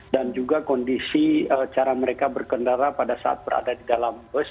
juga kondisi cara mereka berkendara pada saat berada di dalam bus